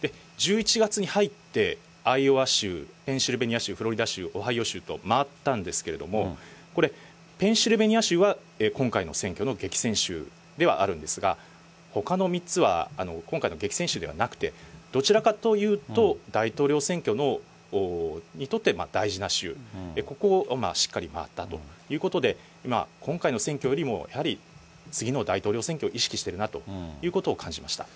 １１月に入って、アイオワ州、ペンシルベニア州、フロリダ州、オハイオ州と、回ったんですけれども、これ、ペンシルベニア州は今回の選挙の激戦州ではあるんですが、ほかの３つは、今回の激戦州ではなくて、どちらかというと、大統領選挙にとって大事な州、ここをしっかり回ったということで、今回の選挙よりも、やはり次の大統領選挙を意識してるなということを感じました。